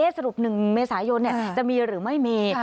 สรุป๑เมษายนจะมีหรือไม่มี